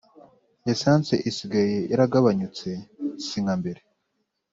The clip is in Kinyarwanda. Essence isigaye yaraganyutse sinkambere